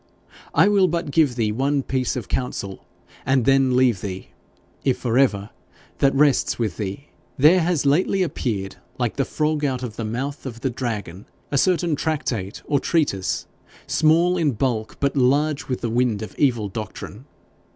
I will but give thee one piece of counsel, and then leave thee if for ever, that rests with thee. There has lately appeared, like the frog out of the mouth of the dragon, a certain tractate or treatise, small in bulk, but large with the wind of evil doctrine.